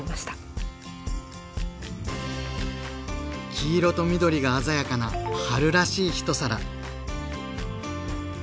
黄色と緑が鮮やかな春らしい一皿。